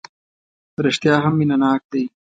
رېښتیا هم مینه ناک دی.